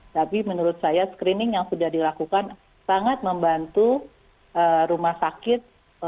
tapi menurut saya screening yang sudah dilakukan sangat membantu rumah sakit